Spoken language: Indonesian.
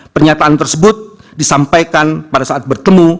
pernyataan tersebut disampaikan pada saat bertemu